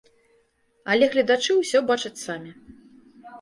Але гледачы ўсё бачаць самі.